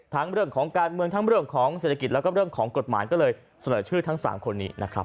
ทั้งเรื่องของการเมืองทั้งเรื่องของเศรษฐกิจแล้วก็เรื่องของกฎหมายก็เลยเสนอชื่อทั้ง๓คนนี้นะครับ